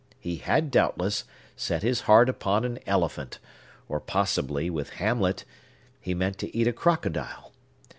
He had, doubtless, set his heart upon an elephant; or, possibly, with Hamlet, he meant to eat a crocodile.